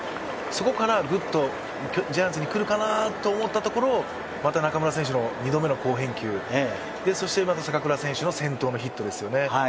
そこからグッと、ジャイアンツに来るかなと思ったところをまた中村選手の２度目の好返球、そしてまた坂倉選手の先頭のヒットですよね。